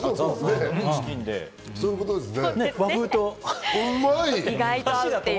そういうことですね。